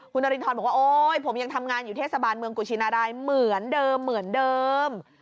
คุณนารินทรบอกว่าโอ๊ยผมยังทำงานอยู่เทศบาลเมืองกุชินารายเหมือนเดิมเหมือนเดิม